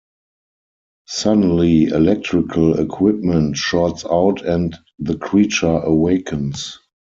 Suddenly, electrical equipment shorts out and the creature awakens.